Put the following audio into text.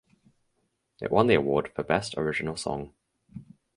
It won the award for Best Original Song.